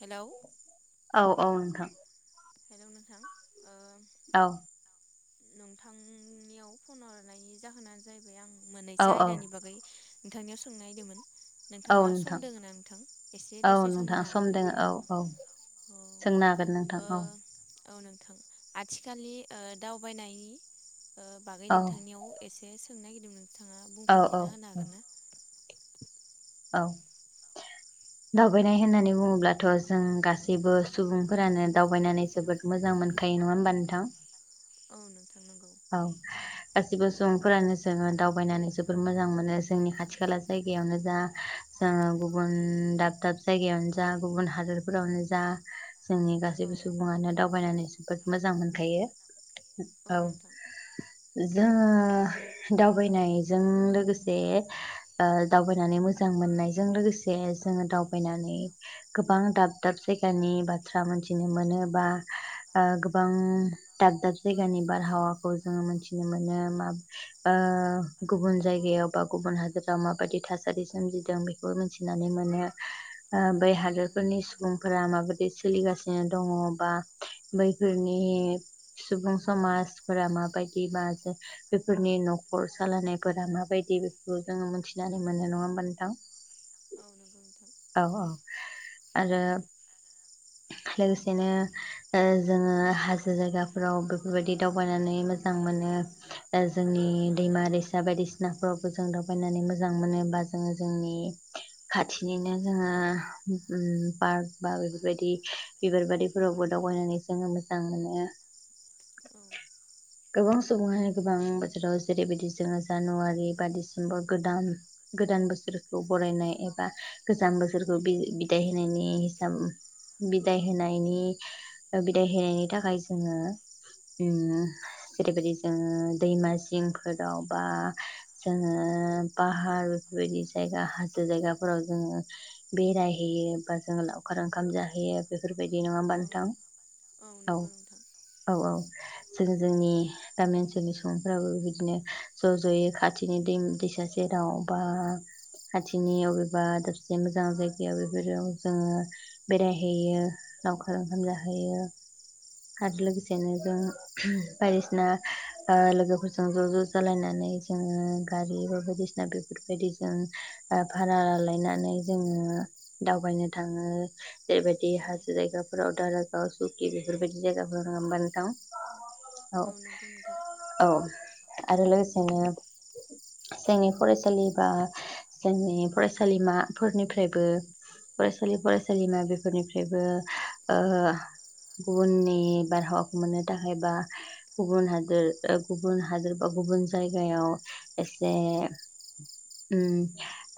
Hello. औ औ नोंथां। हेलौ नोंथां। ओ औ। नोंथांनियाव फन हरनायनि जाहोनानो जाहैबाय आं औ मोन्नैसो औ आयदानि बागै नोंथांनियाव सोंनो नायदोंमोन। औ नोंथां एसे औ दसे होनो नोंथां हागोन सम ना दङ औ औ औ सोंनो हागोन नोंथां ओ औ औ नोंथां आथिखालनि ओ दावबायनाय ओ बागै औ नोंथांनियाव एसे सोंनो नागिरदोंमोन। नोंथाङा औ औ बुंफोरथिना होनो हागोन ना? औ। दावबायनाय होननानै बुङोब्लाथ' जों गासैबो सुबुंफोरानो दावबायनानै जोबोद मोजां मोनखायो नङा होमबा नोंथां औ नोंथां। नंगौ औ गासिबो सुबुंफोरानो जोङो दावबायनानै जोबोर मोजां मोनो। जोंनि खाथि खाला जायगायावनो जा, जोङो गुबुन दाब दाब जायगायावनो जा, गुबुन हादरफोरावनो जा जोंनि औ गासैबो सुबुङानो दावबायनानै मोजां मोनखायो। औ। जोङो दावबायनायजों लोगोसे ओ दावबायनानै मोजां मोननायजों लोगोसे जोङो दावबायनानै गोबां दाब दाब जायगानि बाथ्रा मोनथिनो मोनो बा गोबां दाब दाब जायगानि बारहावा खौ जोङो मिथिनो मोनो ओ गुबुन जायगायाव बा गुबुन हादोराव माबायदि थासारि सोमजिदों बेखौबो मिथिनानै मोनो ओ बै औ नोंथां हादोरफोरनि सुबुंफोरा माबायदि सोलिगासिनो दङ बा बैफोरनि सुबुं समाज फोरा माबायदि मा जे बेफोरनि न'खर सालायनायफोरा माबायदि बेखौ जोङो मिथिनानै मोननाय नङा होमबा नोंथां औ नंगौ नोंथां औ औ आरो लोगोसेनो ओ जोङो हाजो जायगाफोराव बेफोरबायदि दावबायनानै मोजां मोनो ओ जोंनि दैमा औ दैसा बायदिसिनाफोरावबो जों दावबायनानै मोजां मोनो बा जोङो जोंनि खाथिनिनो जोङो उम पार्क बा बे बायदि बिबार बारिफोरावबो दावबायनानै जोङो मोजां मोनो औ गोबां सुबङानो गोबां बोथोराव जेरैबायदि जोङो जानुवारि बा डिसेम्बर गोदान गोदान बोसोरखौ बरायनाय एबा गोजान बोसोरखौ बिदाय होनायनि हिसाब। बिदाय होनायनि बिदाय होनायनि थाखाय जोङो उम जेरैबायदि जोङो दैमा सिंफोराव बा औ जोंङो पाहार बेफोरबायदि जायगा हाजो जायगाफोराव जोङो बेरायहैयो बा जोङो लावखार ओं खाम जाहैयो बे फोरबायदि नङा होमबानोथां औ नंगौ नोंथां औ औ जों जोंनि गामि ओनसोलनि सुबुंफ्राबो बेबायदिनो ज जयै खाथिनि दै दैसा सेराव बा खाथिनि अबेबा दाबसे मोजां जायगायाव बेफोराव जोङो। बेरायहैयो लावखार ओंखाम जाहोयो औ आरो लोगोसेनो जों बायदिसिना ओ लोगोफोरजों ज-ज जालायनानै जोङो गारि बा बायदिसिना बेफोरबायदि ज भारा लालायनानै जोङो दावबायनो थाङो। जेरैबायदि औ हाजो जायगाफोराव दारागाव सुकि बेफोरबायदि जायगाफोराव होमबाथ नोंथां। औ नंगौ नोंथां औ। आरो लोगोसेनो जोंनि फरायसालि बा जोंनि फरायसालिमाफोरनिफ्रायबो फरायसालि फरायसालिमा बे फोरनिफ्रायबो ओ गुबुननि बारहावाखौ मोननो थाखाय बा गुबुन हादोर गुबुन हादोर बा गुबुन जायगायाव एसे उम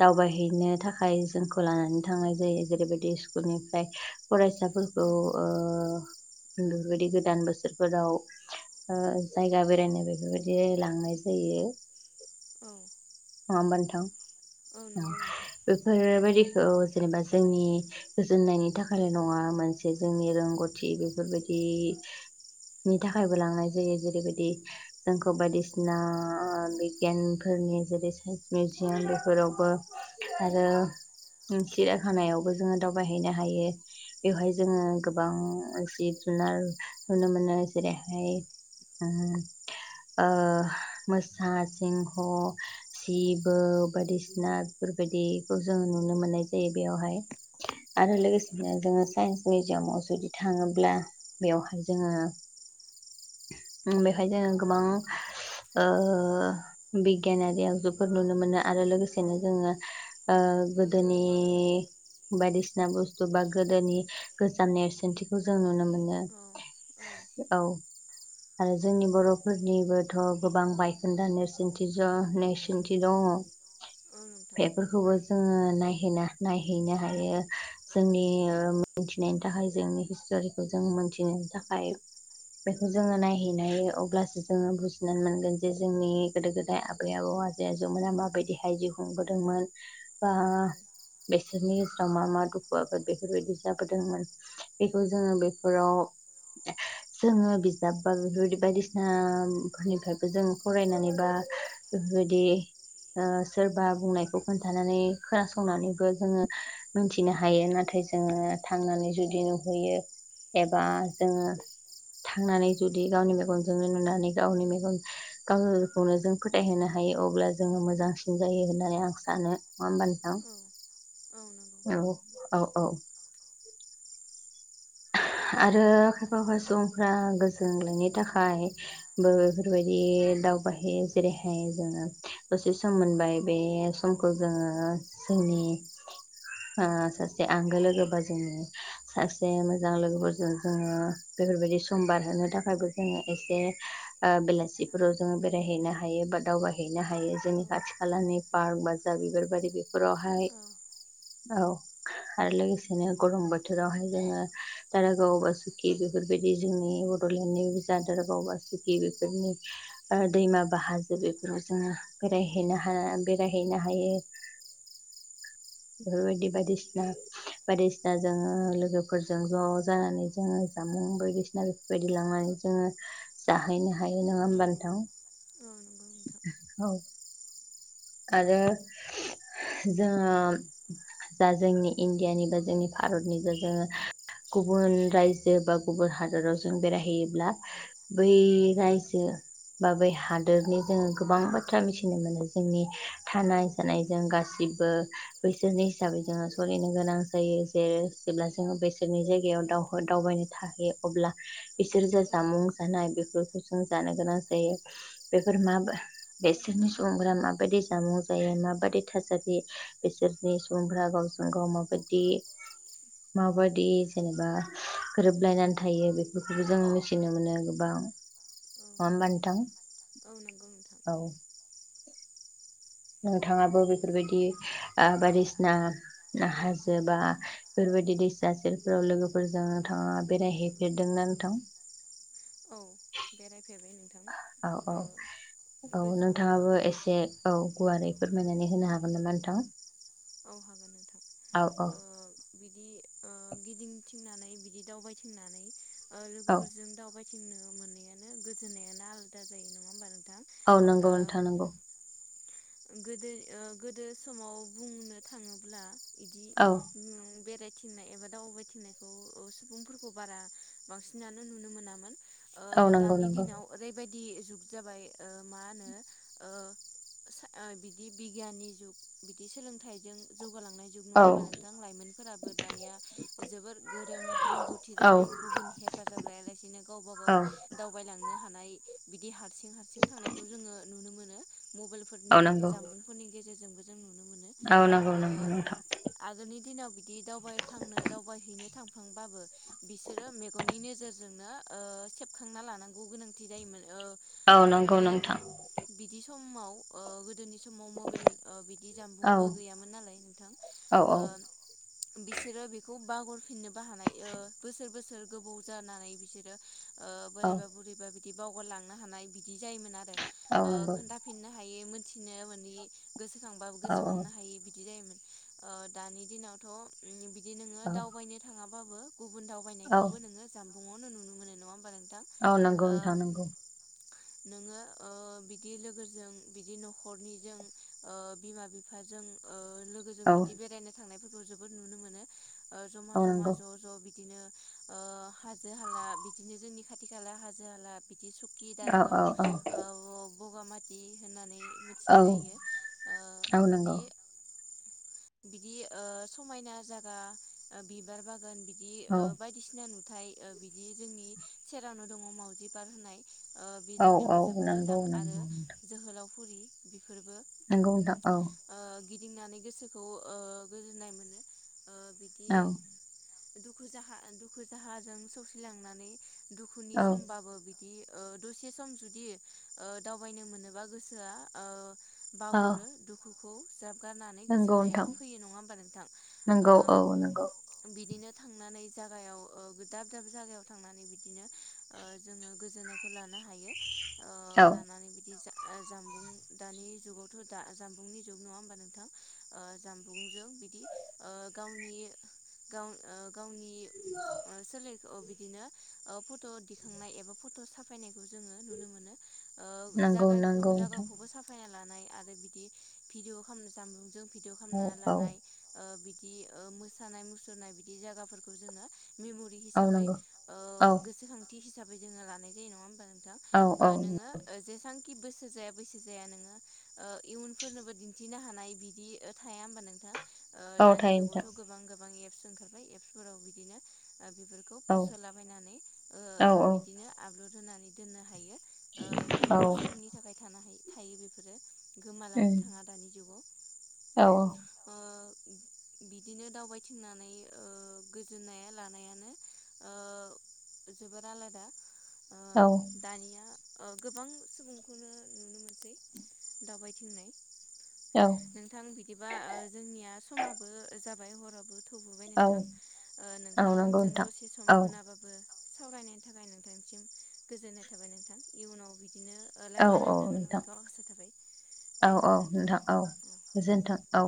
दावबायहैनो थाखाय जोंखौ लानानै थांनाय जायो जेरैबायदि स्कुलनि। फ्राय फरायसाफोरखौ औ ओ बेफोरबायदि गोदान बोसोरफोराव ओ जायगा बेरायनो बेफोरबायदि लांनाय जायो। औ। नङा होमबाथ औ नोंथां। नंगौ नोंथां बेफोरबाय दैखौ जेनेबा जोंनि जोननायनि थाखायल नङा मोनसे जोंनि रोंगौथि बेफोरबायदिनि थाखायबो लांनाय जायो जेरैबायदि जोंखौ बायदिसिना बिगियानफोरनि जेरै साइन्स मिउजियाम बेफोरावबो आरो सिराय खानायावबो जोङो द। बयनो हैनो हायो बेयावहाय औ जोङो नंगौ गोबां जिब जुनार नुनो मोनो जेरैहाय ओ मोसा सिंह सिबौ बायदिसिना बेफोरबायदिखौ जो नुनो मोननाय जायो बेयावहाय। आरो औ नंगौ लोगोसेनो नोंथां जोङो साइन्स। मिजियामाव जुदि थाङोब्ला बेवहाय जोङो बेवहाय जोङो गोबां ओ बिगियानारि आगजुफोर नुनो मोनो आरो लोगोसेनो जोङो गोदोनि बायदिसि जा बुस्थु बा गोदोनि गोजान नेरसोनथिखौ जों नुनो मोनो। औ औ नो औ। आरो जोंनि बरफोरनिबोथ गोबां बायखोन्दा नेरसोनथि नेरसोनथि दङ। औ नोंथां बेफोर खौबो। जोङो नायहै नायहैनो हायो। जोंनि मिथिनायनि थाखाय जोंनि हिस्टरिखौ जों मोनथिनायनि थाखाय बेखौ जोङो नायहैनाय अब्लासो जोङो बुजिनानै मोनगोन जे जोंनि गोदो गोदाय आबै आबौ आजै आजौमोना माबायदि हाय जि खुंबोदोंमोन। बा। औ औ बेसनिस्र मामा दुखु आ बेफोरबायदि जाबोदोंमोन बेखौ जोङो बेफोराव जोङो बिजाब बा बेफोरबाय बायदिसिना फोरनिफ्रायबो जो फरायनानै बा बेफोरबायदि सोरबा बुंनायखौ खोन्थानानै खोनासंनानैबो जोङो मोन। फिनो हायो नाथाय जोङो थांनानै जुदि नुहैयो एबा जोङो थांनानै जुदि गावनि मेगनजोंनो नुनानै गावनि मेगन गावखौनो जों फोथायहोनो हायो अब्ला जोङो मोजांसिन जायो होननानै आं सानो। होमबा नोंथां औ-औ नंगौ। औ औ औ। आरो खायफा खायफाय सुबुंफ्रा गोजोनग्लायनि थाखायबो बेफोरबायदि दावबाययो जेरैहाय जोङो दसे सम मोनबाय बे समखौ जोङो जोंनि सासे आंगो लोगो बा जोंनि सासे। मोजां लोगोफोरजों जोङो बेफोरबायदि सम बारहोनो थाखायबो जोङो एसे बेलासिफोराव जोङो बेरायहैनो हायो बा दावबायहैयो। नो हायो औ औ जोंनि खाथि खालानि। बार माजाब बिबार बारि। बेफोराव हाय। औ आरो लोगोसेनो गरम बोथोरावहाय जोङो द गावबासुखि बेफोरबायदि जोंनि बड'लेण्डनि बिज जाद गावबासुखि बेफोरनि दैमा बाहाजो बेफोराव जोङो बेरायहैनो ह बेरायहैनो हायो बेफोरबायदि बायदिसिना बायदिसिना जोङो लोगोफोर फोरजों ज' जानानै जोङो जामुं बायदिसिना बेफोरबायदि लांनानै जोङो जाहैनो हायो नङा होमबा नोंथां। औ नंगौ नोंथां। औ आरो जोङो जा जोंनि इण्डियानि बा जोंनि भारतनि जा जोङो गुबुन रायजो बा गुबुन हादोराव जों बेरायहैयोब्ला बै रायजो बा बै हादोरनि जोङो गोबां बाथ्रा मिथिनो मोनो। जोंनि। औ थानाय सानायजों गासैबो जेबो बैसोरनि हिसाबै जोङो सोलिनो गोनां जायो जेरै औ जेब्ला जोङो बैसोरनि जायगायावाव दावबायनो थाहैयो अब्ला इसोर जे औ जामुं जानाय बेफोर जों जानो गोनां जायो बेफोर मा बिसोरनि सुबुंफोरा मा माबायदि जामुं जायो माबायदि थासारि बिसोरनि सुबुंफोरा गावजों गाव माबायदि माबायदि जेनेबा गोरोबलायनानै थायो बेफोरखौबो जों मिथिनो मोनो गोबां नङा होनबा नोंथां। औ नंगौ नोंथां। औ नोंथाङाबो बेफोरबायदि बायदिसिना हाजो बा बेफोरबायदि दैसा सेरफोराव लोगोफोरजों नोंथाङा बेरायहैफेरदोंना नोंथां। औ बेराय औ औ औ गो औ नोंथाङाबो एसे औ गुवारै फोरमायनानै होनो हागोन नामा नोंथां। औ हागोन औ औ नोंथां। बिदि गिदिंथिंनानै बिदि दावबायथिंनानै औ लोगोफोरजों दावबाय थिंनो मोननायानो गोजोननायानो आलादा जायो नङा होमबा नों औ नंगै नोंथां नांगौ। गोदो ओ गोदो समाव बुंनो थाङोब्ला बिदि औ [unintelligible] थिंनाय एबा दावबायथिंनायखौ सुबुंफोरखौ बारा बांसिनानो नुनो मोनामोन। ओ औ नंगौ दानि नंगौ दिनाव ओरैबायद दि जुग जाबाय ओ मा ओनो सा ओ बिदि बिगियाननि जुग बिदि सोलोंथाइजों जौ गालांनाय जुग नङा औ होमबा नोंथां लाइमोनफोराबो दानिया जोबोर गोरों रोंगौथि औ जाबाय गुबुन हेफाजाब लायालासेनो गावबा गाव औ दावबायलांनो थानाय बिदि हारसिं हारसिं थांनायखौ जोङो नुनो मोनो मबाइल औ नि नंगौ जामबुंफोरनि गेजेरजों जों नुनो मोनो औ नंगौ ओ नंगौ नोंथां आगोलनि दिनाव बिदि दावबायफ्लांनो दावबायहैनो थां थांबाबो बिसोरो मेगननि नोजोरजोंनो ओ सेबखांना लानांगौ गोनांथि जायोमोन। ओ औ नंगौ बि नोंथां बिदि समाव ओ गोदोनि समाव मबाइल बिदि औ जानबुंबो गैयामोन नालाय नोंथां औ औ ओ बिसोरो बेखौ बागरफिननोबो हानाय ओ बोसोर बोसोर गोबाव जानानै बिसोरो ओ औ बोरायबा बुरिबा बिदि बावगारलांनो हानाय बिदि जायोमोन आरो औ ओ नंगौ खोन्थाफिननो हायो मिथिनो मोनि गोसोखांबाबो औ गोसोखांनो हायि बिदि जायोमोन। ओ दानि दिनावथ' उम बि बिदि नोङो औ दावबायनो थाङाब बाबो गुबुन औ दावबायनायखौबो नोङो जाम नआवनो नुनो मोनो नङा हो औ नंगौ नोंथां नंगौ। नोङो ओ बिदि लोगोजों बिदि न'खरनिजों ओ बिमा बिफा जों ओ लोगोजों औ बिदि बेरायनो थांनायफोर जोबोद नुनो मोनो। ओ जमा औ जमा नंगौ ज' ज' बिदिनो ओ हाजो हाला बिदिनो जोंनि खाथि खाला हाजो हाला बिदि सुखि औ औ दारागाव औ ओ ब बगामाटि। होननानै औ मिथिनाय जायो। औ ओ नंगौ बिदि बिदि ओ समायना जायगा ओ बिबार बा गान बिदि औ ओ बायदिसिना नु थाइ बिदि जोंनि सेरावनो दङ' मावजि पार्क होनाय ओ बे औ औ जायगायाबो जोबोर नंगौ मोजां आरो नंगौ जोहोलावफुरि बे फोरबो नंगौ नोंथां औ ओ गिदिंनानै गोसोखौ ओ गोजोननाय मोनो। ओ बिदि औ दुखु जाहा दुखु दाहाजों सौसिलांनानै दुखुनि औ समबाबो बि दि ओ दसे सम जुदि ओ दावबायनो मोनो बा गोसोआ ओ औ बावगुरो दुखु खौ ज्राब गारनानै नंगौ गोजोननाया नोंथां फैयो। नङा होनबा नोंथां? नंगौ औ नंगौ ओ बिदिनो थांनानै जागायाव ओ दाब दाब जागायाव थांनानै बिदिनो ओ जोङो गोजोननायखौ लानो हायो। ओ औ लानानै बिदि जा ओ जानबुं दानि जुगावथ' दा जानबुंनि जुग नङा होमबा नोंथां ओ जानबुंजों बिदि ओ गावनि गाव ओ गावनि ओ सोलेरखौ बि बिदिनो ओ फट' दिखांनाय एबा फट' साफायनाय खौ जोङो नुनो मोनो ओ नंगौ जागाय खौ नंगौ नोंथां जागावखौबो साफायना लानाय आरो बिदि भिडिअ' खामनो जानबुं जों भिडअ' औ खामना औ लानाय ओ बि दि ओ मोसानाय मुसुरनाय बिदि जागाफोरखौ जोङो मेम'रि औ हिसाबै नंगौ ओ औ गोसोखांथि हि हिसाबै जोङो लानाय जायो। नङा होम ओ नोंथां औ औ ओ नोङो ओ जेसां खि बैसो जाया बैसो जाया नोङो ओ इयुनफोरनोबो दिनथिनो हानाय बिदि थाया होनबा नोंथां। ओ औ दानि थायो नोंथां जुगावथ' गोबां गोबां एप प्स ओंखारबाय एप्सफोराव बिदिनो ओ बेफोरखौ औ पस्ट होलाबायनानै औ ओ बिदिनो आपलड होनानै दोननो हायो। ओ गोबाव औ समनि थाखाय थानो हायो थायो बेफोरो गोमालांनो उम थाङा दानि जुगाव औ ओ बिदिनो दावबायथिंनानै ओ गोजोननाया लानायानो ओ जोबोर आलादा। ओ औ दानिया ओ गोबां सुब मुंखौनो नुनो मोनसै दावबायथिंनाय। नोंथां बिदिबा ओ जोंनिया समाबो जाबा बे हराबो थौबोबाय औ नोंथां ओ औ नोंथांङा नंगौ आंजों नोंथां दसे सम औ होनाबाबो सावरायनायनि थाखाय नोंथांसिम गोजोननाय थाबाय नोंथां इयुनाव बिदिनो ओ औ औ रायलायफिननो नोंथां मोनगोनखौ आसा थाबाय औ दे औ होनबा नोंथां औ उम। गोजोन्थों औ